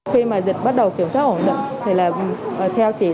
khi mà dịch bắt đầu kiểm soát ổn định